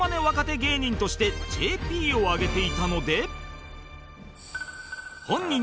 若手芸人として ＪＰ を挙げていたので